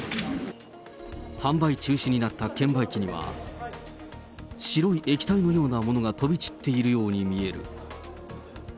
販売中止になった券売機には、白い液体のようなものが飛び散っているように見える。